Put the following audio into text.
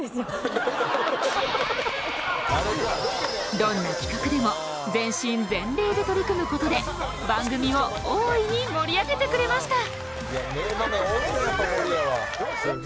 どんな企画でも全身全霊で取り組むことで番組を大いに盛り上げてくれました名場面多いなやっぱ守屋は。